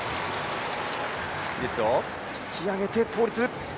引き上げて倒立。